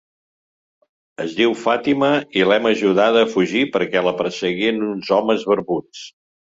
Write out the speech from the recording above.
Es diu Fàtima i l'hem ajudada a fugir perquè la perseguien uns homes barbuts.